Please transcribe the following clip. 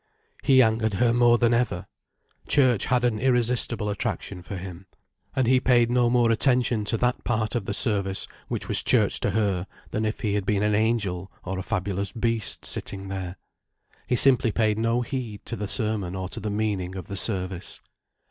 He angered her more than ever. Church had an irresistible attraction for him. And he paid no more attention to that part of the service which was Church to her, than if he had been an angel or a fabulous beast sitting there. He simply paid no heed to the sermon or to the meaning of the service.